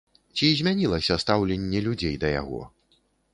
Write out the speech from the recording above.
Ці змянілася стаўленне людзей да яго?